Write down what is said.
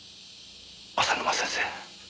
浅沼先生